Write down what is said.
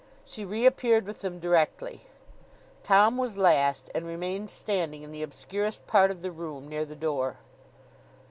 She reappeared with them directly. Tom was last; and remained standing in the obscurest part of the room, near the door.